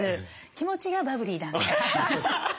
気持ちがバブリーなんで。